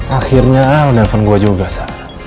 akhirnya lo telfon gue juga sa